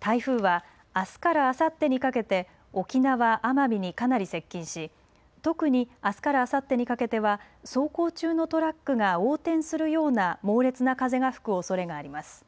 台風はあすからあさってにかけて沖縄・奄美にかなり接近し特にあすからあさってにかけては走行中のトラックが横転するような猛烈な風が吹くおそれがあります。